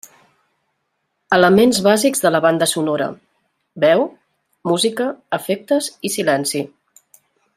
Elements bàsics de la banda sonora: veu, música, efectes i silenci.